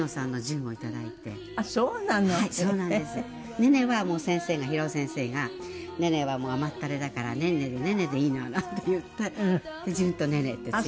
ネネはもう先生が平尾先生が「ネネはもう甘ったれだから“ねんね”で“ネネ”でいいな」なんて言って「じゅん＆ネネ」って付いたんです。